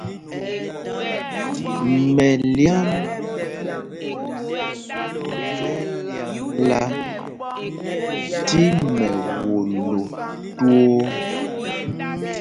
Mɛlyam mɛ lyāmla tí mɛwolo twóó.